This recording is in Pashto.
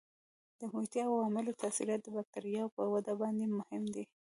د محیطي عواملو تاثیرات د بکټریاوو په وده باندې مهم دي.